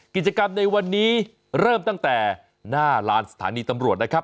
กิจกรรมในวันนี้เริ่มตั้งแต่หน้าลานสถานีตำรวจนะครับ